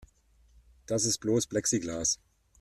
Das ist bloß Plexiglas.